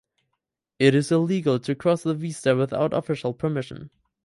It is illegal to cross the vista without official permission.